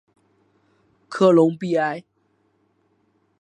科隆比埃。